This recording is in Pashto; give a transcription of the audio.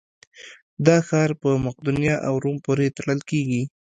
دا ښار په مقدونیه او روم پورې تړل کېږي.